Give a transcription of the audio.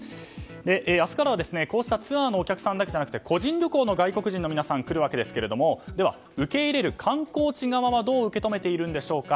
明日からは、こうしたツアーのお客さんだけじゃなくて個人旅行の外国人の皆さんが来るわけですが受け入れる観光地側はどう受け止めているんでしょうか。